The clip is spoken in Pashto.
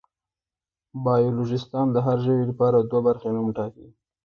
بایولوژېسټان د هر ژوي لپاره دوه برخې نوم ټاکي.